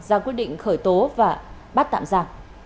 ra quyết định khởi tố và bắt tạm giả